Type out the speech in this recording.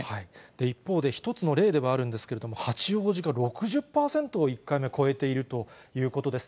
一方で、一つの例ではあるんですけれども、八王子が６０％を１回目超えているということです。